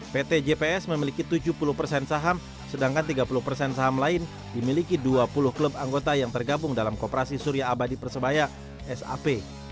pt jps memiliki tujuh puluh persen saham sedangkan tiga puluh persen saham lain dimiliki dua puluh klub anggota yang tergabung dalam kooperasi surya abadi persebaya sap